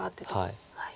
はい。